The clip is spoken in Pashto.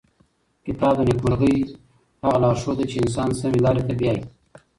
کتاب د نېکمرغۍ هغه لارښود دی چې انسان سمې لارې ته بیايي.